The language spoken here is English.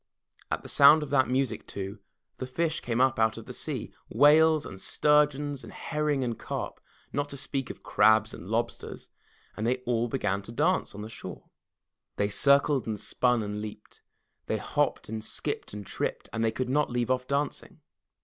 At the sound of that music too, the fish came up out of the sea, whales and sturgeons and herring and carp, not to speak of crabs and lobsters, and they all began to dance on the shore. They circled and spun and leaped. They hopped and skipped and tripped. And they could not leave off dancing.